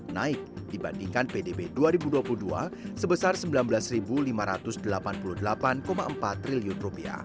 naik dibandingkan pdb dua ribu dua puluh dua sebesar rp sembilan belas lima ratus delapan puluh delapan empat triliun